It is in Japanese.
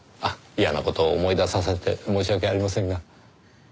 あっ嫌な事を思い出させて申し訳ありませんが。